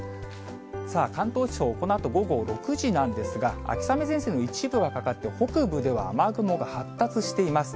さあ、関東地方、このあと午後６時なんですが、秋雨前線の一部がかかって、北部では雨雲が発達しています。